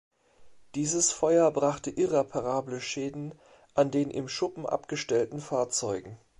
Dieses Feuer brachte irreparable Schäden an den im Schuppen abgestellten Fahrzeugen.